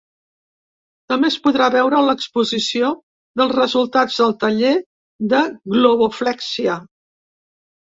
També es podrà veure l’exposició dels resultats del taller de globoflèxia.